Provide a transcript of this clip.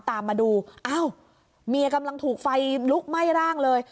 มาจากสวนปาตามมาดูเอ้าเมียกำลังถูกไฟลุกไหม้ร่างเลย